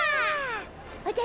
おじゃ！